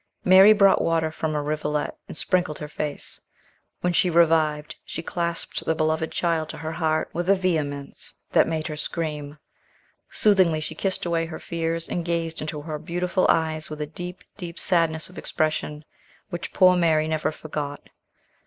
Mary brought water from a rivulet, and sprinkled her face. When she revived, she clasped the beloved child to her heart with a vehemence that made her scream. Soothingly she kissed away her fears, and gazed into her beautiful eyes with a deep, deep sadness of expression, which poor Mary never forgot.